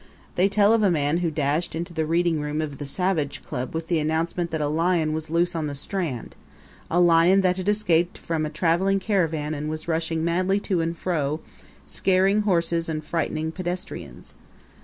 They tell of a man who dashed into the reading room of the Savage Club with the announcement that a lion was loose on the Strand a lion that had escaped from a traveling caravan and was rushing madly to and fro, scaring horses and frightening pedestrians.